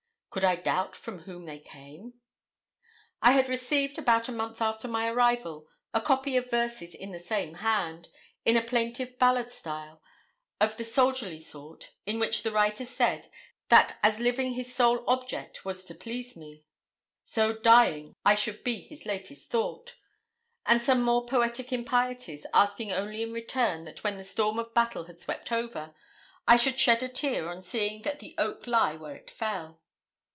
Could I doubt from whom they came? I had received, about a month after my arrival, a copy of verses in the same hand, in a plaintive ballad style, of the soldierly sort, in which the writer said, that as living his sole object was to please me, so dying I should be his latest thought; and some more poetic impieties, asking only in return that when the storm of battle had swept over, I should 'shed a tear' on seeing 'the oak lie, where it fell.'